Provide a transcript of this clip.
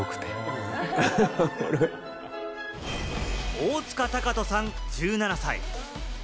大塚天翔さん、１７歳。